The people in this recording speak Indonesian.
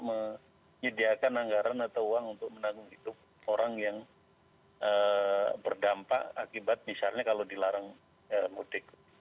menyediakan anggaran atau uang untuk menanggung hidup orang yang berdampak akibat misalnya kalau dilarang mudik